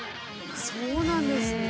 そうなんですね。